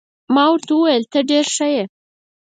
ما ورته وویل: ته ډېر ښه يې.